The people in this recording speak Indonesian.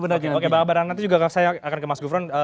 barang barang nanti juga saya akan ke mas gufron